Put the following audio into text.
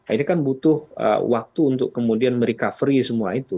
ini kan butuh waktu untuk kemudian merecovery semua itu